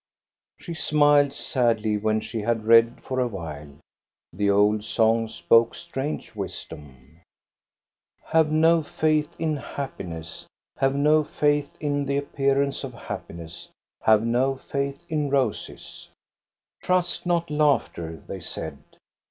She smiled sadly when she had read for a while; the old songs spoke strange wisdom. Have no faith in happiness, have no faith in the appearance of happiness, have no faith in roses. 356 THE STORY OF GOSTA BERUNG " Trust not laughter," they said.